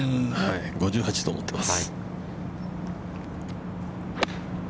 ５８と思ってます。